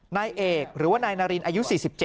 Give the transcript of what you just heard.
นายเอกหรือว่านายนารินอายุ๔๗